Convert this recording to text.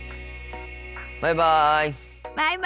バイバイ。